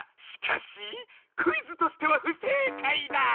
しかしクイズとしてはふせいかいだ！